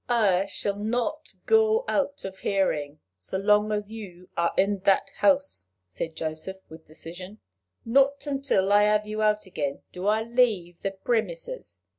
"I shall not go out of hearing so long as you are in that house," said Joseph, with decision. "Not until I have you out again do I leave the premises.